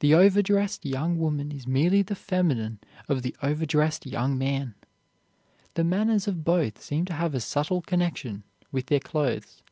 The overdressed young woman is merely the feminine of the overdressed young man. The manners of both seem to have a subtle connection with their clothes.